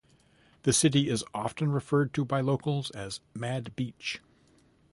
The city is often referred to by locals as Mad Beach.